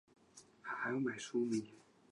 张国龙及核四公投促进会召集人。